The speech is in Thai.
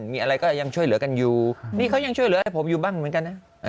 มีอะไรก็ยังช่วยเหลือกันอยู่นี่เขายังช่วยเหลือให้ผมอยู่บ้างเหมือนกันนะ